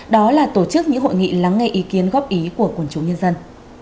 đó là tổ chức những hội nghị lắng nghe ý kiến góp ý của quần chúng nhân dân